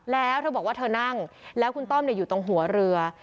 แล้วเธอบอกว่าเธอนั่งแล้วคุณต้อมอยู่ตรงหัวเรือ